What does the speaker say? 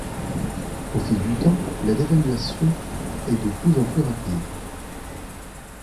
Au fil du temps, la dévaluation est de plus en plus rapide.